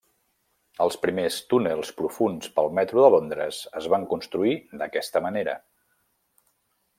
Els primers túnels profunds pel Metro de Londres es van construir d'aquesta manera.